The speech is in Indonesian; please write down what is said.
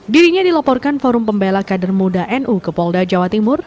dirinya dilaporkan forum pembela kader muda nu ke polda jawa timur